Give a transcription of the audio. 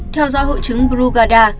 theo dõi hội chứng brugada